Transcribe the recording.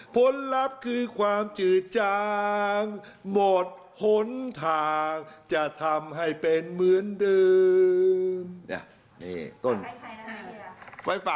ผลลัพธ์คือความจืดจางหมดหนทางจะทำให้เป็นเหมือนเดิม